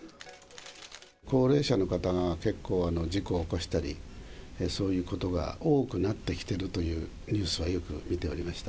高齢者の方が結構、事故を起こしたり、そういうことが多くなってきてるというニュースはよく見ておりました。